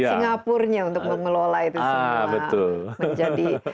singapurnya untuk mengelola itu semua